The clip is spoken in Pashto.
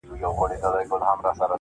• همېشه به یې تور ډک وو له مرغانو -